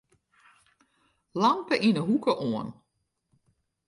Lampe yn 'e hoeke oan.